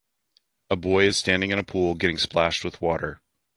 A boy is standing in a pool getting splashed with water.